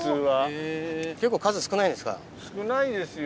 へぇ結構数少ないんですか？